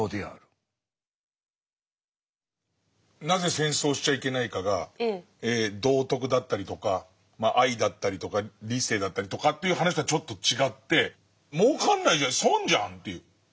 なぜ戦争しちゃいけないかが道徳だったりとか愛だったりとか理性だったりとかという話とはちょっと違って儲かんないじゃん損じゃんっていう。